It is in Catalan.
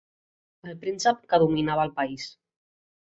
El príncep que dominava el país.